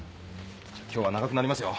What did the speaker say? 今日は長くなりますよ。